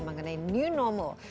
mengenai new normal